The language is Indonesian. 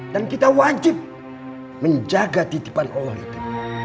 dan kita wajib menjaga titipan allah itu